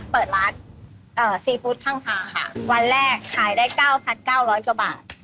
เป็นแสนป่ะ